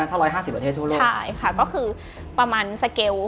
ทั้ง๑๕๐ประเทศทั่วโลกใช่ค่ะก็คือประมาณสเกล